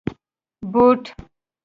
👞 بوټ